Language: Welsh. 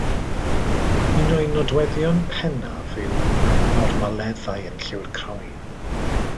Un o'i nodweddion pennaf yw abnormaleddau yn lliw'r croen.